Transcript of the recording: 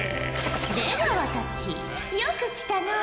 出川たちよく来たのう。